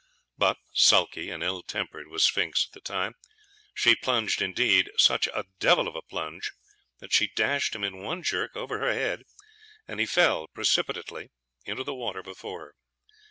But sulky and ill tempered was Sphinx at the time: she plunged indeed such a devil of a plunge, that she dashed him in one jerk over her head, and he fell precipitately into the water before her.